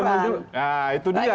nah itu dia